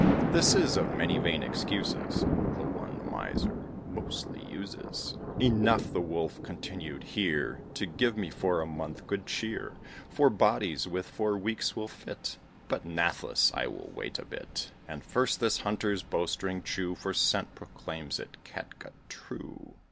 (This is, of many vain excuses, The one the miser mostly uses.) "Enough," the Wolf continued, "here, To give me for a month good cheer. Four bodies with four weeks will fit, But, nathless, I will wait a bit, And first this Hunter's bowstring chew, For scent proclaims it catgut true."